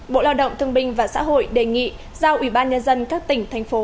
bộ lao động thương binh và xã hội đề nghị giao ủy ban nhân dân các tỉnh thành phố